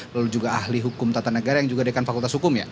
lalu juga ahli hukum tata negara yang juga dekan fakultas hukum ya